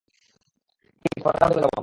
ঠিক আছে, পরের রাউন্ডে চলে যাবো আমরা!